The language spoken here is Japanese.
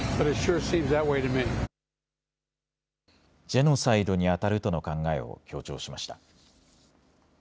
ジェノサイドにあたるとの考えを強調しました。